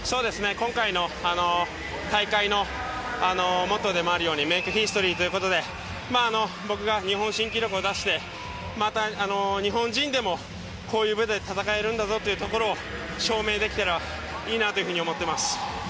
今回の大会のモットーでもあるようにメイクヒストリーということで僕が日本新記録を出してまた日本人でもこういう舞台で戦えるんだぞということを証明できたらいいなと思います。